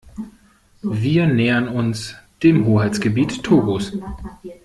Wir nähern uns dem Hoheitsgebiet Togos.